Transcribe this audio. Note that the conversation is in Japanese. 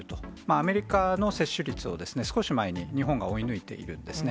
アメリカの接種率を少し前に日本が追い抜いているんですね。